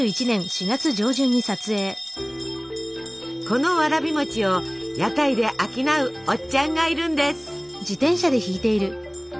このわらび餅を屋台で商うおっちゃんがいるんです。